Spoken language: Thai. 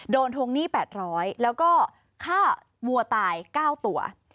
ทวงหนี้๘๐๐แล้วก็ฆ่าวัวตาย๙ตัว